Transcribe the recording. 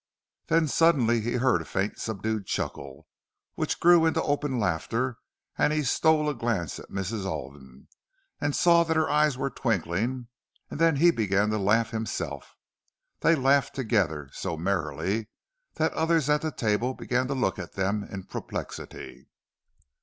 Then suddenly he heard a faint subdued chuckle, which grew into open laughter; and he stole a glance at Mrs. Alden, and saw that her eyes were twinkling; and then he began to laugh himself. They laughed together, so merrily that others at the table began to look at them in perplexity.